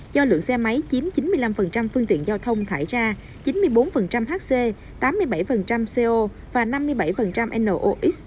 do lượng xe máy chiếm chín mươi năm phương tiện giao thông thải ra chín mươi bốn hc tám mươi bảy co và năm mươi bảy nox